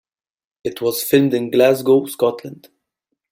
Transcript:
It was filmed in Glasgow, Scotland.